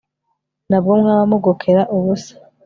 na bwo mwaba mugokera ubusa